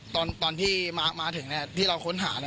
ตอนที่มาถึงที่เราค้นหา